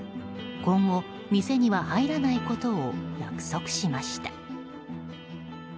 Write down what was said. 今後、店には入らないことを約束しました。